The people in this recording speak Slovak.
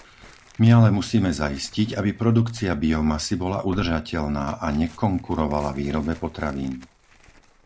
My ale musíme zaistiť, aby produkcia biomasy bola udržateľná a nekonkurovala výrobe potravín.